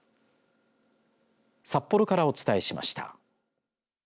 札幌からお伝えしました。